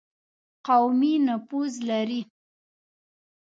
قومي نفوذ لري.